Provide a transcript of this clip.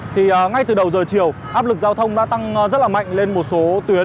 thì ngay từ đầu giờ chiều áp lực giao thông đã tăng rất là mạnh lên một số tuyến